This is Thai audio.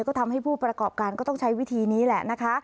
ก็ทำให้ผู้ประกอบการก็ต้องใช้วิธีนี้แหละนะคะ